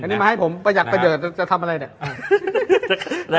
ตอนนี้มาให้ผมประหยักไปเจอเนี่ยจะทำอะไรเนี่ย